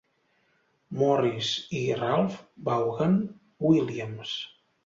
Morris i Ralph Vaughan Williams.